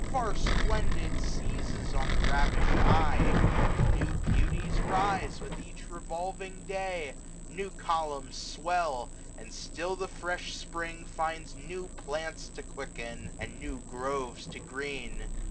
Far splendid, seizes on the ravish'd eye. 660 New beauties rise with each revolving day ; New columns swell ; and still the fresh Spring finds New plants to quicken, and new groves to green.